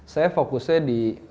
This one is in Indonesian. saya fokusnya di